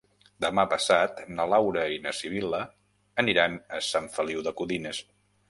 Demà passat na Laura i na Sibil·la aniran a Sant Feliu de Codines.